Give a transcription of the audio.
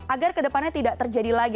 agar kedepannya tidak terjadi lagi